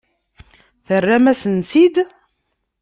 Terram-asen-tt-id?